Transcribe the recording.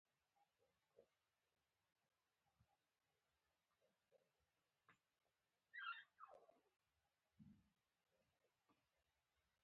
امریکایي متل وایي ژوند په ژړا او مرګ په خوشحالۍ دی.